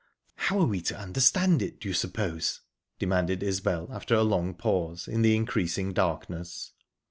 "How are we to understand it, do you suppose?" demanded Isbel, after a long pause, in the increasing darkness.